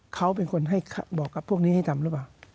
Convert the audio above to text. เขาเป็นคนให้บอกกับพวกนี้ให้ทำหรือเปล่า